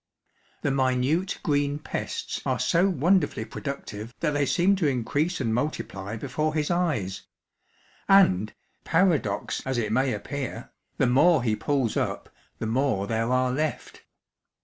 The minute green pests are so wonderfully productive that they seem to increase and multiply before his eyes ; and, paradox as it may appear, the more he pulls up the more there are left.